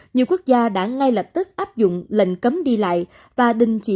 nhiều quốc gia đã ngay lập tức áp dụng lệnh cấm đi lại và đình chỉ